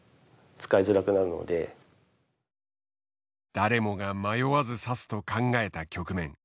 誰もが迷わず指すと考えた局面。